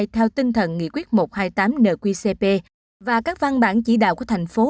theo tinh thần nghị quyết một trăm hai mươi tám nqcp và các văn bản chỉ đạo của thành phố